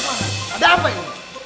hai ada apa ini